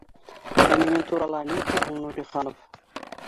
Ә минең турала ни ти һуң Нуриханов?